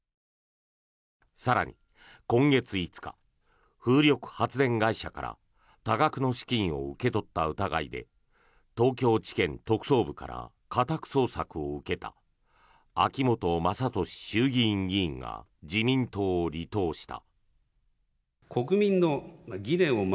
更に、今月５日風力発電会社から多額の資金を受け取った問題で東京地検特捜部から家宅捜索を受けた秋本真利衆議院議員が自民党を離党した。